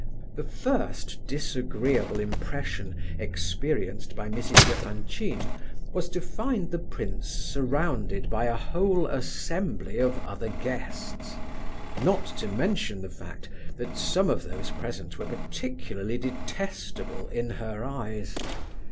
The first disagreeable impression experienced by Mrs. Epanchin was to find the prince surrounded by a whole assembly of other guests—not to mention the fact that some of those present were particularly detestable in her eyes.